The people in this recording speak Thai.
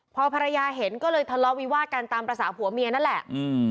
พอภรรยาเห็นก็เลยทะเลาะวิวาดกันตามภาษาผัวเมียนั่นแหละอืม